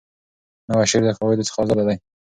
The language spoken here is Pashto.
نوی شعر د قواعدو څخه آزاده دی.